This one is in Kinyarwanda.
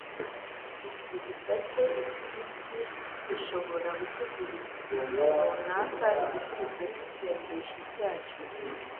Igihe dusabye iby'iyi si dushobora gutegereza igihe runaka igisubizo cy'isengesho ryacu,